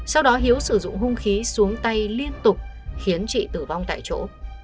sau đó hiếu sử dụng hung khí xuống tay liên tục khiến chị tử vong tại chỗ